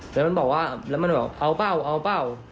เนี่ยมันบอกว่าเอาเปล่า